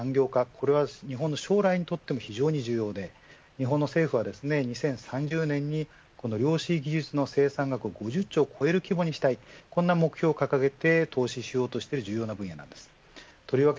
これは日本の将来にとっても非常に重要で日本の政府は２０３０年にこの量子技術の生産額を５０兆を超える規模にしたいという目標を掲げて投資しようとしている重要な分野です。